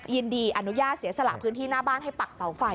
ยินดีอนุญาตเสียสละพื้นที่หน้าบ้านให้ปักเสาไฟ